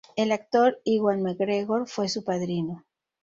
El actor Ewan McGregor fue su padrino.